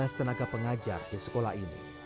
ada enam belas tenaga pengajar di sekolah ini